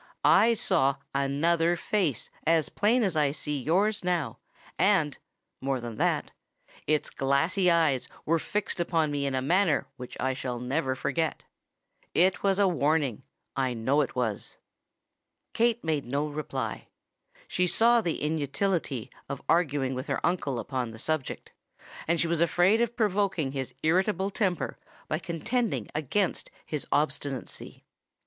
"I saw another face as plain as I see yours now; and—more than that—its glassy eyes were fixed upon me in a manner which I shall never forget. It was a warning—I know it was." Kate made no reply: she saw the inutility of arguing with her uncle upon the subject; and she was afraid of provoking his irritable temper by contending against his obstinacy.